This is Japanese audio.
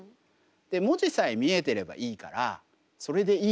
で文字さえ見えてればいいからそれでいい。